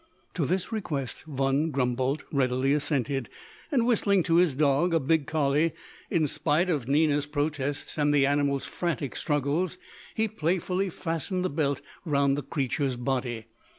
To this request Von Grumboldt readily assented, and whistling to his dog a big collie in spite of Nina's protests and the animal's frantic struggles, he playfully fastened the belt round the creature's body.